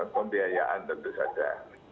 pembiayaan tentu saja